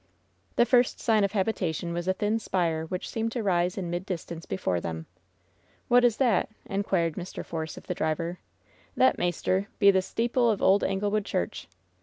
The first sign of habitation was a thin spire which seemed to rise in mid distance before them. "What is that ?" inquired Mr. Force of the driver. "Thet, maister, be the steeple of old Anglewood Church."